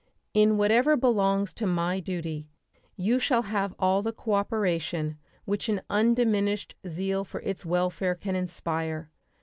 In whatever belongs to my duty you shall have all the cooperation which an undiminished zeal for its welfare can inspire.